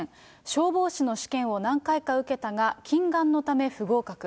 消防士の試験を何回か受けたが、近眼のため不合格。